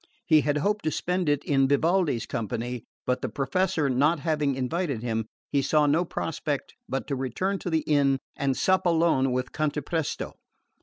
He had hoped to spend it in Vivaldi's company, but the Professor not having invited him, he saw no prospect but to return to the inn and sup alone with Cantapresto.